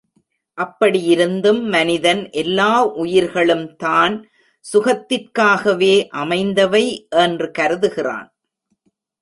அப்படியிருந்தும் மனிதன் எல்லா உயிர்களும் தான் சுகத்திற்காகவே அமைந்தவை என்று கருதுகிறான்.